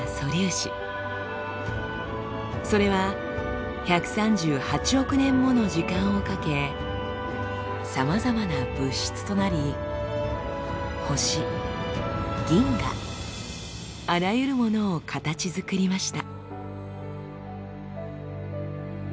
それは１３８億年もの時間をかけさまざまな物質となり星銀河あらゆるものを形づくりました。